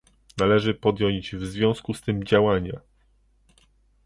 Należy podjąć w związku z tym działania